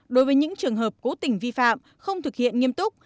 đối với những trường hợp cố tình vi phạm không thực hiện nghiêm túc